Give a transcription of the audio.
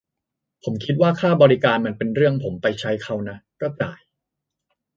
ผมคิดว่าค่าบริการมันเป็นเรื่องผมไปใช้เค้าน่ะ ก็จ่าย